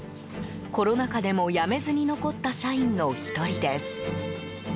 コロナ禍でも辞めずに残った社員の１人です。